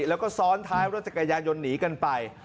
แล้วก็ซ้อนท้ายรถจักรยายนหนีกันไป